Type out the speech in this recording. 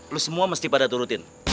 lo semua mesti pada turutin